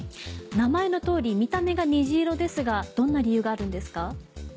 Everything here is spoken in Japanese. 名前の通り見た目が虹色ですがどんな理由があるんですか？